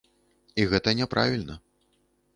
І гэта не правільна.